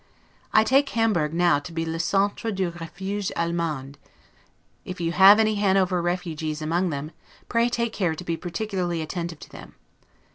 I take Hamburg now to be 'le centre du refuge Allemand'. If you have any Hanover 'refugies' among them, pray take care to be particularly attentive to them.